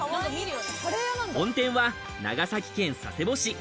本店は長崎県佐世保市。